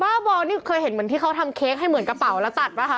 บอลนี่เคยเห็นเหมือนที่เขาทำเค้กให้เหมือนกระเป๋าแล้วตัดป่ะค